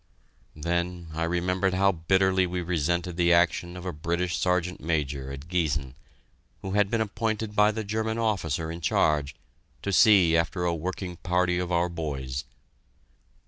Then I remembered how bitterly we resented the action of a British Sergeant Major at Giessen, who had been appointed by the German officer in charge to see after a working party of our boys.